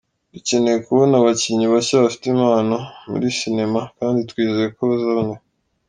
Dukeneye kubona abakinnyi bashya, bafite impano muri sinema kandi twizeye ko bazaboneka”.